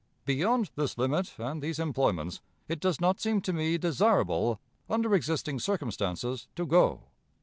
"Beyond this limit and these employments it does not seem to me desirable under existing circumstances to go.